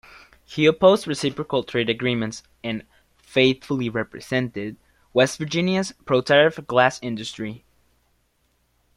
He opposed reciprocal trade agreements and "faithfully represented" West Virginia's pro-tariff glass industry.